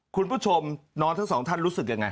คุณผู้ชมน้องทั้งสองท่านรู้สึกยังไง